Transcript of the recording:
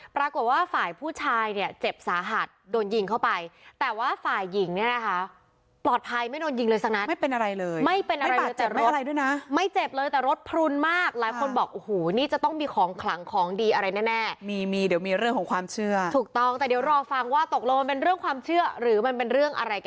ปรากฏว่าฝ่ายผู้ชายเนี่ยเจ็บสาหัสโดนยิงเข้าไปแต่ว่าฝ่ายหญิงเนี่ยนะคะปลอดภัยไม่โดนยิงเลยสักนัดไม่เป็นอะไรเลยไม่เป็นอะไรบาดเจ็บไม่อะไรด้วยนะไม่เจ็บเลยแต่รถพลุนมากหลายคนบอกโอ้โหนี่จะต้องมีของขลังของดีอะไรแน่มีมีเดี๋ยวมีเรื่องของความเชื่อถูกต้องแต่เดี๋ยวรอฟังว่าตกลงมันเป็นเรื่องความเชื่อหรือมันเป็นเรื่องอะไรกัน